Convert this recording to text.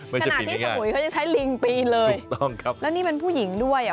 ไม่จะปีนง่ายค่ะสมุยเขาจะใช้ลิงปีนเลยแล้วนี่เป็นผู้หญิงด้วยโอ้โห